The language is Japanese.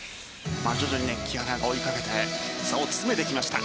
徐々に木原が追いかけて差を詰めてきました。